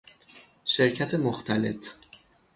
شرکت مختلط